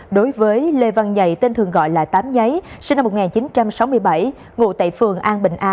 đối với lê văn nhậy tên thường gọi là tám giấy sinh năm một nghìn chín trăm sáu mươi bảy ngụ tại phường an bình a